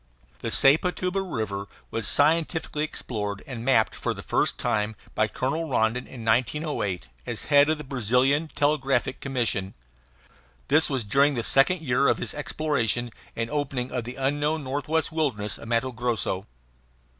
The Sepotuba River was scientifically explored and mapped for the first time by Colonel Rondon in 1908, as head of the Brazilian Telegraphic Commission. This was during the second year of his exploration and opening of the unknown northwestern wilderness of Matto Grosso.